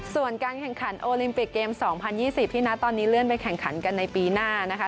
ส่วนการแข่งขันโอลิมปิกเกม๒๐๒๐ที่นะตอนนี้เลื่อนไปแข่งขันกันในปีหน้านะคะ